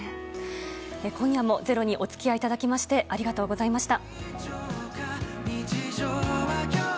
今夜も「ｚｅｒｏ」にお付き合いいただきましてありがとうございました。